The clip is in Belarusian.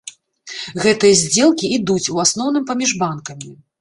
Гэтыя здзелкі ідуць, у асноўным, паміж банкамі.